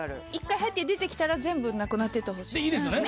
１回入って出てきたら全部なくなっててほしいでいいですよね？